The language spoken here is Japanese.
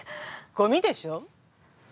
ゴミでしょ？